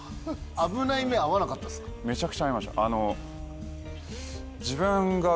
めちゃくちゃ遭いました。